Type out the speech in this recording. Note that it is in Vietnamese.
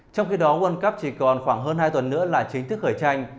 trong khi đó world cup chỉ còn khoảng hơn hai tuần nữa là chính thức khởi tranh